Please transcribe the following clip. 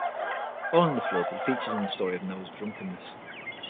Following the Flood he features in the story of Noah's drunkenness.